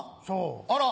あら！